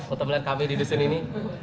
untuk melihat kami di desain ini